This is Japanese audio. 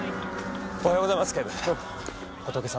おはようございます警部。